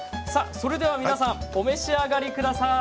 それでは皆さんお召し上がりください。